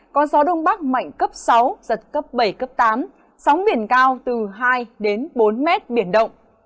có gió đông bắc mạnh cấp sáu giật cấp bảy cấp tám sóng biển cao từ hai đến bốn mét biển động